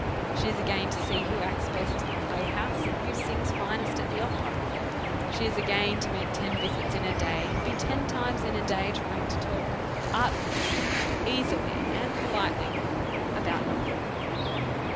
She is again to sec who acts best at the playhouse, and who sings finest at the opera. She is again to make ten visits iti a day, and be ten times in a diy trying to telk artfully, easily, and politely, about UQthing.